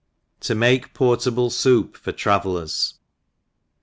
To make Portable ^otjv for Travellers.